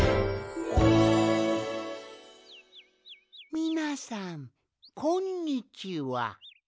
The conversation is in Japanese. みなさんこんにちは。